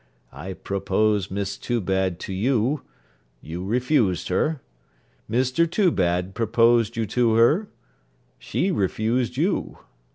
I proposed Miss Toobad to you: you refused her. Mr Toobad proposed you to her: she refused you.